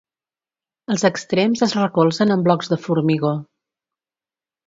Els extrems es recolzen en blocs de formigó.